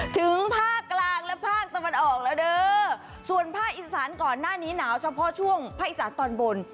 ถึงภาคกลางและภาคตะวันออกแล้วเด้อส่วนภาคอีสานก่อนหน้านี้หนาวเฉพาะช่วงภาคอีสานตอนบน